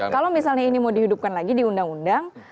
kalau misalnya ini mau dihidupkan lagi di undang undang